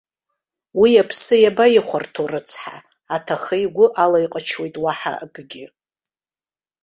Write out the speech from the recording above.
Уи аԥсы иабаихәарҭоу, рыцҳа, аҭахы игәы алаиҟычуеит, уаҳа акгьы.